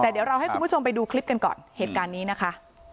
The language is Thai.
แต่เดี๋ยวเราให้คุณผู้ชมไปดูคลิปกันก่อนเหตุการณ์นี้นะคะ